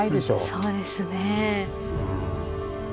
そうですね。